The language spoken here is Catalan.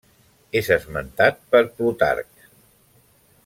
És esmentat per Plutarc.